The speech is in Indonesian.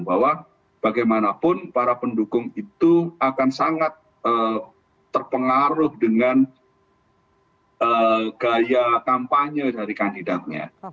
bahwa bagaimanapun para pendukung itu akan sangat terpengaruh dengan gaya kampanye dari kandidatnya